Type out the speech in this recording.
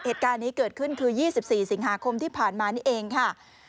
เหตุการณ์นี้เกิดขึ้นคือ๒๔สิงหาคมที่ผ่านมานี่เองค่ะ